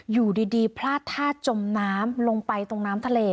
อยู่ดีพลาดท่าจมน้ำลงไปตรงน้ำทะเล